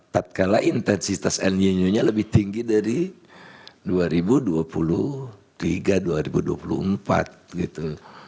tak kalah intensitas value nya lebih tinggi dari dua ribu dua puluh tiga dua ribu dua puluh empat gitu